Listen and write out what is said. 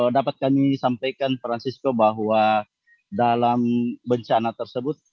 dapat kami sampaikan francisco bahwa dalam bencana tersebut